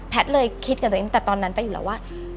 แพทย์เลยคิดกันตัวเองแต่ตอนนั้นไปอยู่แล้วว่า